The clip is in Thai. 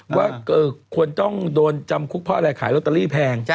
ว่าควรต้องโดนจำคุกพ่ออะไรขายโรตาลีแพง